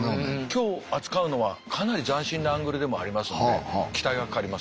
今日扱うのはかなり斬新なアングルでもありますので期待がかかります。